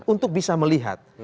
untuk bisa melihat